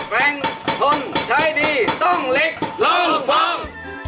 แรงทนใช้ดีต้องเล็กร้อง